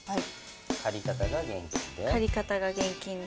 借方が現金で。